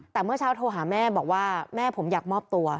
แต่เมื่อเช้าโทรหาแม่บอกว่าแม่ผมอยากมอบตัว